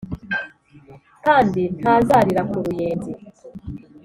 kandi ntazarira ku ruyenzi ".